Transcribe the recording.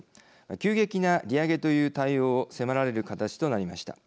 急激な利上げという対応を迫られる形となりました。